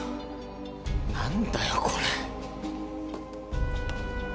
何だよこれ。